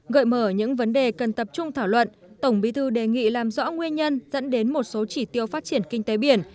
gợi mở những vấn đề cần tập trung thảo luận tổng bí thư đề nghị làm rõ nguyên nhân dẫn đến một số chỉ tiêu phát triển kinh tế biển